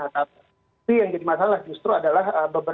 tapi yang jadi masalah justru adalah